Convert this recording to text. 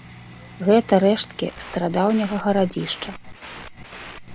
Гэта рэшткі старадаўняга гарадзішча.